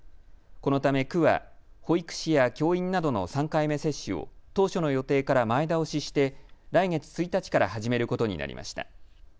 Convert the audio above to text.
このため区は保育士や教員などの３回目接種を当初の予定から前倒しして来月１日から始めることになりました。